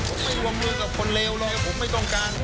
ผมไม่วงมือกับคนเลวเลยผมไม่ต้องการ